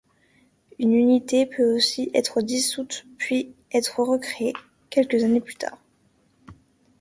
Une unité peut aussi être dissoute puis être recréée quelques années plus tard.